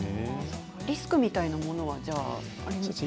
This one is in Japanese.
リスクみたいなものありますか？